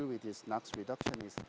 untuk mengurangkan nuklir ini